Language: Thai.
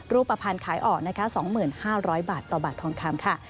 รูปภัณฑ์ขายออกนะคะ๒๕๐๐บาทต่อบาททองคำค่ะ